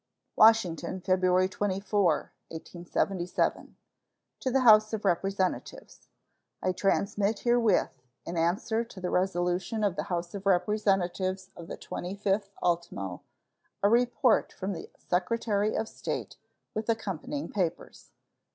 WASHINGTON, February 24, 1877. To the House of Representatives: I transmit herewith, in answer to the resolution of the House of Representatives of the 25th ultimo, a report from the Secretary of State, with accompanying papers.